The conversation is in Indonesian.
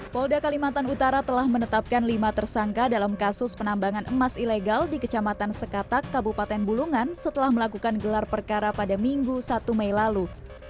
polda kalimantan utara telah menetapkan lima tersangka dalam kasus penambangan emas ilegal di kecamatan sekatak kabupaten bulungan setelah melakukan gelar perkara pada minggu satu mei lalu